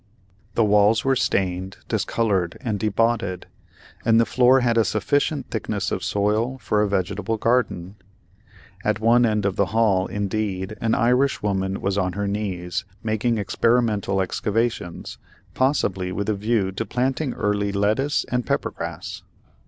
The walls were stained, discolored, and bedaubed, and the floor had a sufficient thickness of soil for a vegetable garden; at one end of the hall, indeed, an Irish woman was on her knees, making experimental excavations, possibly with a view to planting early lettuce and peppergrass.